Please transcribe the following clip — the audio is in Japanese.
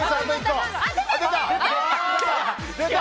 出た！